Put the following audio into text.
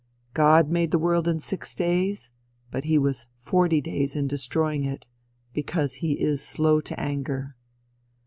"God made the world in six days, but he was forty days in destroying it, because he is slow to anger.